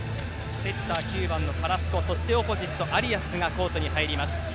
セッター、９番のカラスコそしてオポジット、アリアスがコートに入ります。